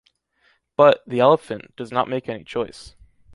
But, the elephant, does not make any choice.